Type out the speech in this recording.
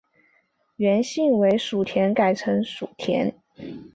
原姓为薮田改成薮田。